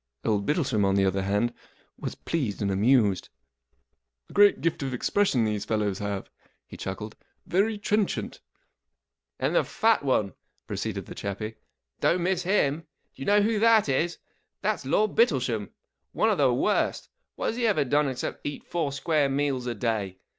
Old Bittlesham, on the other hand, was pleased and amused. 44 A great gift of expression these fellows have," he chuckled. 44 Very trenchant." " And the fat one !" proceeded the chappie. 44 Don't miss him. Do you know who that is ? That's Lord Bittlesham ! One of the worst. What has he ever done except eat four square meals a day